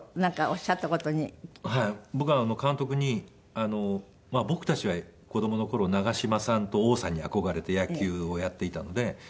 僕は監督に僕たちは子供の頃長嶋さんと王さんに憧れて野球をやっていたので。